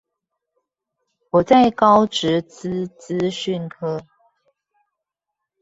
我在高職資資訊科